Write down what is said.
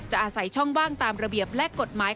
อาศัยช่องว่างตามระเบียบและกฎหมาย